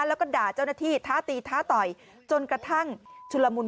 แล้วก็ด่าเจ้าหน้าที่ท้าตีท้าต่อยจนกระทั่งชุลมุน